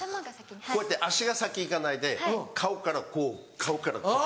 こうやって足が先行かないで顔からこう顔からこう。